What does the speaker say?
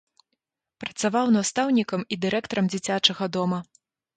Працаваў настаўнікам і дырэктарам дзіцячага дома.